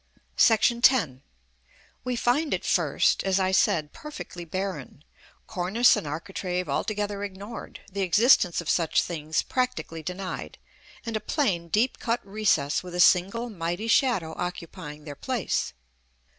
§ X. We find it first, as I said, perfectly barren; cornice and architrave altogether ignored, the existence of such things practically denied, and a plain, deep cut recess with a single mighty shadow occupying their place.